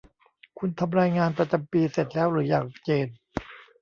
คุณทำรายงานประจำปีเสร็จแล้วหรือยังเจน